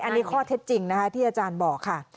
อันนี้ข้อเท็จจริงนะคะที่อาจารย์บอกค่ะ